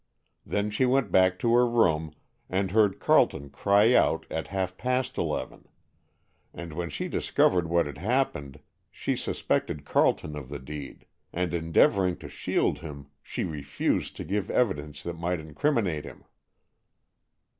She then went back to her room, and heard Carleton cry out at half past eleven, and when she discovered what had happened she suspected Carleton of the deed; and, endeavoring to shield him, she refused to give evidence that might incriminate him."